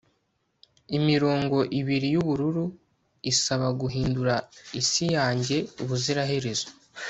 imirongo ibiri yubururu isaba guhindura isi yanjye ubuziraherezo